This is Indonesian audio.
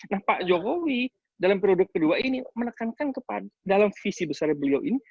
nah pak jokowi dalam periode kedua ini menekankan dalam visi besar beliau ini